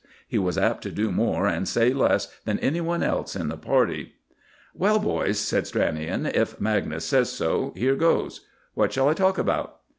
He was apt to do more and say less than any one else in the party. "Well, boys," said Stranion, "if Magnus says so, here goes. What shall I talk about?"